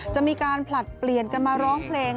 จะมีการผลัดเปลี่ยนกันมาร้องเพลง